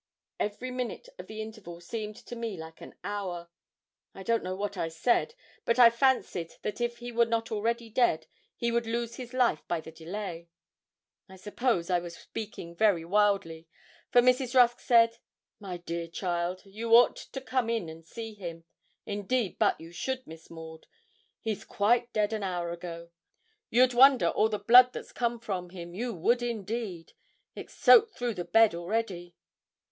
Every minute of the interval seemed to me like an hour. I don't know what I said, but I fancied that if he were not already dead, he would lose his life by the delay. I suppose I was speaking very wildly, for Mrs. Rusk said 'My dear child, you ought to come in and see him; indeed but you should, Miss Maud. He's quite dead an hour ago. You'd wonder all the blood that's come from him you would indeed; it's soaked through the bed already.'